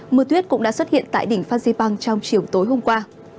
mưa tuyết cũng đã xuất hiện tại đỉnh phan xê băng trong chiều tối hôm qua